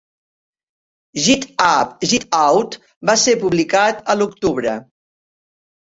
"Git Up, Git Out" va ser publicat a l'octubre.